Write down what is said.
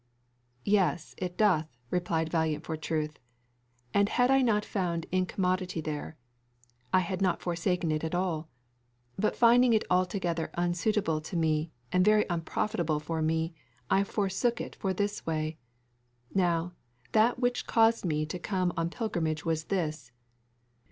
"Yes, it doth," replied Valiant for truth. "And had I not found incommodity there, I had not forsaken it at all; but finding it altogether unsuitable to me, and very unprofitable for me, I forsook it for this way. Now, that which caused me to come on pilgrimage was this.